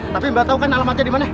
tapi mbak tau kan alamatnya dimana